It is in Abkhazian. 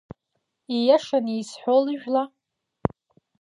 Ииашаны исҳәо лыжәла?